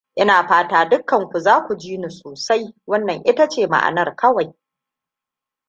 Ina fata dukkanku za ku ji ni sosai. Wannan ita ce ma'anar kawai.